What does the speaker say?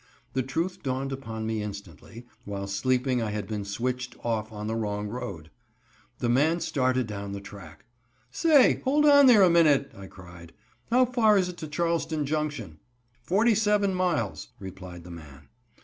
The truth dawned upon me instantly, while sleeping I had been switched off on the wrong road. The man started down the track. "Say, hold on there a minute!" I cried. "How far is it to Charleston Junction?" "Forty seven miles," replied the man.